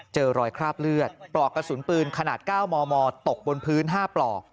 เจอรอยคราบเลือดปลอกกระสุนปืนขนาด๙มมตกบนพื้น๕ปลอก